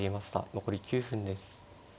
残り９分です。